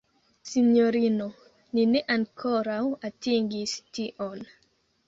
Sinjorino, ni ne ankoraŭ atingis tion!